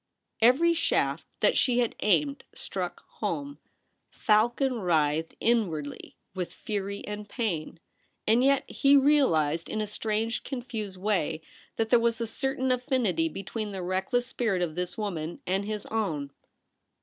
Every shaft that she had aimed struck home. Falcon writhed inwardly with fury and pain ; and yet he realized in a strange confused way that there was a certain affinity between the reckless spirit of this woman and his own.